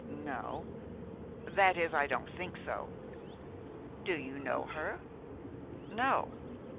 "No. That is, I don't think so." "Do you know her?" "No."